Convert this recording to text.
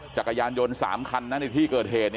จักรยานยนต์๓คันในที่เกิดเหตุ